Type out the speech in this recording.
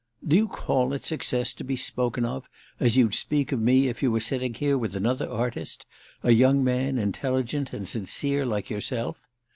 "Do you call it success to be spoken of as you'd speak of me if you were sitting here with another artist—a young man intelligent and sincere like yourself?